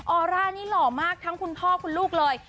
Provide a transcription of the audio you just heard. อร่านี่หล่อมากทั้งคุณพ่อคุณลูกเลย